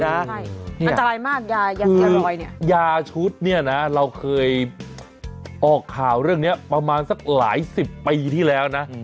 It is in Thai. นะใช่มันจะร้ายมากยายังเท่าไรเนี่ยคือยาชุดเนี่ยนะเราเคยออกข่าวเรื่องเนี้ยประมาณสักหลายสิบปีที่แล้วนะอืม